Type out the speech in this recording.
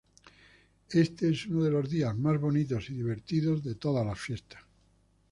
Éste es uno de los días más bonitos y divertidos de todas las fiestas.